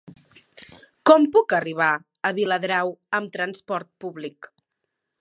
Com puc arribar a Viladrau amb trasport públic?